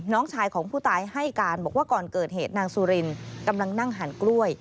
น้องชายของผู้ตายให้การบอกว่าก่อนเกิดเหตุนางสุรินกำลังนั่งหันกล้วย